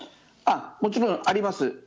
もちろんあります。